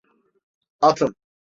Atın!